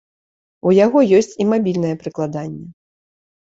У яго ёсць і мабільнае прыкладанне.